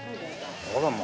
あらま。